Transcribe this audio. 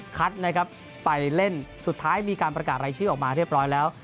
คัดนะครับไปเล่นสุดท้ายมีการประกาศรายชื่อออกมาเรียบร้อยแล้ว